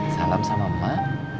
salam sama emak